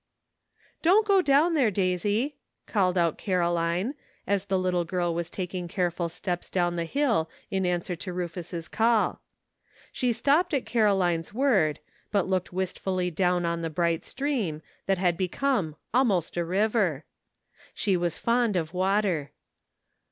♦*Poft't go dpwp there, Daisy," called out 32 SOMETHING TO REMEMBER, Caroline, as the little girl was taking careful steps down the hill in answer to Kufus's call.; She stopped at Caroline's word, but looked wistfully down on the bright stream, that had become "almost a river." She was fond of water.